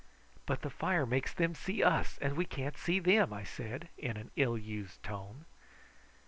"But the fire makes them see us, and we can't see them," I said, in an ill used tone.